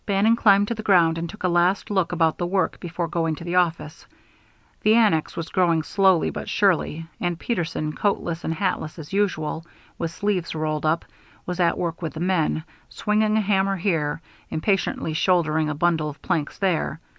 Bannon climbed to the ground and took a last look about the work before going to the office. The annex was growing slowly but surely; and Peterson, coatless and hatless as usual, with sleeves rolled up, was at work with the men, swinging a hammer here, impatiently shouldering a bundle of planks there.